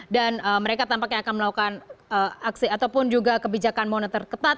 dan mereka tampaknya akan melakukan aksi ataupun juga kebijakan monitor ketat